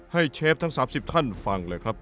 เชฟทั้ง๓๐ท่านฟังเลยครับ